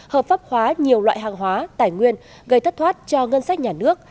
hợp pháp hóa nhiều loại hàng hóa tài nguyên gây thất thoát cho ngân sách nhà nước